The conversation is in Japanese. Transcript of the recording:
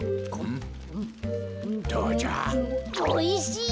おいしい。